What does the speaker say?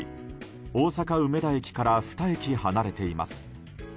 大阪梅田駅から２駅離れています。